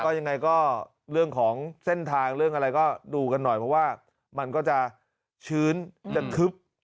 ยังไงก็เรื่องของเส้นทางเรื่องอะไรก็ดูกันหน่อยเพราะว่ามันก็จะชื้นจะคึบ